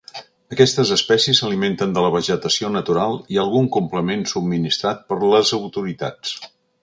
Aquestes espècies s'alimenten de la vegetació natural i algun complement subministrat per les autoritats.